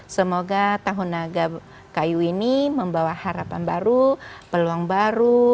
semoga tahun naga kayu ini membawa harapan baru peluang baru